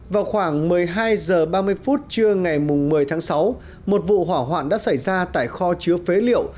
vào khoảng một mươi hai h ba mươi phút trưa ngày một mươi tháng sáu một vụ hỏa hoạn đã xảy ra tại kho chứa phế liệu